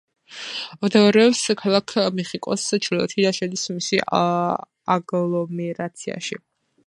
მდებარეობს ქალაქ მეხიკოს ჩრდილოეთით და შედის მის აგლომერაციაში.